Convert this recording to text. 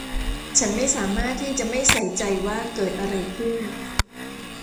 ฉันไม่สามารถที่จะไม่ใส่ใจว่าเกิดอะไรขึ้น